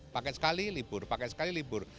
pakai sekali libur pakai sekali libur